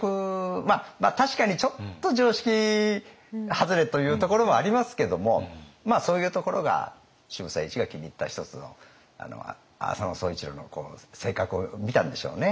まあ確かにちょっと常識外れというところもありますけどもそういうところが渋沢栄一が気に入った一つの浅野総一郎の性格を見たんでしょうね。